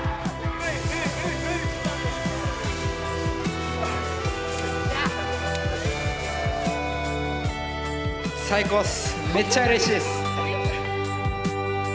めっちゃうれしいです！